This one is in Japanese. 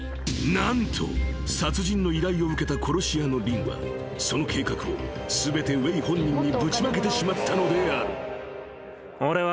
［何と殺人の依頼を受けた殺し屋のリンはその計画を全てウェイ本人にぶちまけてしまったのである］